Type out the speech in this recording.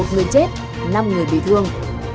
một người chết năm người bị thương